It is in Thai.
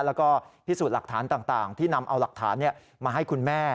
แล้วก็พิสูจน์หลักฐานต่างที่นำเอาหลักฐานมาให้คุณแม่